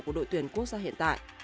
của đội tuyển quốc gia hiện tại